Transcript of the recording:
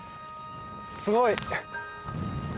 すごい！